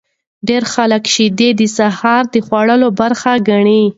ډیر خلک شیدې د سهار د خوړلو برخه ګڼي.